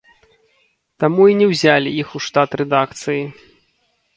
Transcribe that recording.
Таму і не ўзялі іх у штат рэдакцыі.